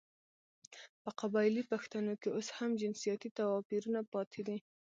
په قبايلي پښتانو کې اوس هم جنسيتي تواپيرونه پاتې دي .